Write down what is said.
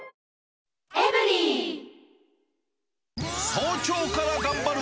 早朝から頑張る！